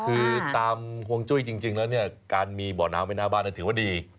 คือตามห่วงจุ้ยจริงแล้วเนี่ยการมีบ่อน้ำไว้หน้าบ้านถือว่าดี